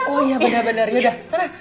oh iya benar benar yaudah serah